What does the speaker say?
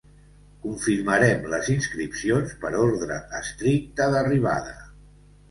Confirmarem les inscripcions per ordre estricte d’arribada.